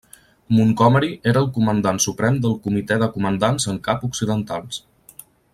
Montgomery era el comandant suprem del comitè de comandants en cap occidentals.